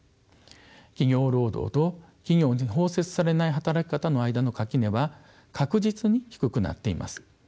企業労働と企業に包摂されない働き方の間の垣根は確実に低くなっています。